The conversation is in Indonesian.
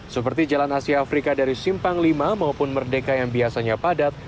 seperti jalan asia afrika dari simpang lima maupun merdeka yang biasanya padat